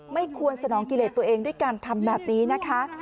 ไม่ควรสนองกิเลสตัวเองด้วยการทำแบบนี้นะคะ